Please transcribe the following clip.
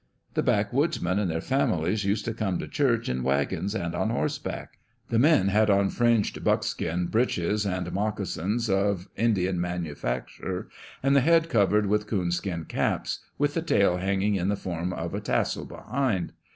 The backwoodsmen and their families used to come to church in waggons and on horseback. The men had on fringed buckskin breeches and mocassins of Indian manufacture, and the head covered with coon skin caps, with the tail hanging in the form of a tassel behind.